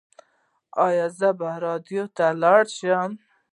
ایا زه باید راډیو ته لاړ شم؟